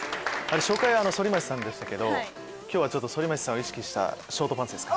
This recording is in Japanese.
初回反町さんでしたけど今日は反町さんを意識したショートパンツですか？